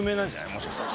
もしかしたら。